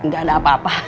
gak ada apa apa